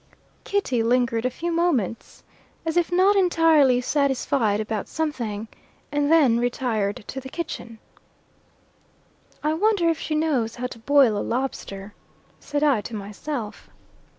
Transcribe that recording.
Kitty lingered a few moments, as if not entirely satisfied about something, and then retired to the kitchen. "I wonder if she knows how to boil a lobster?" said I to myself.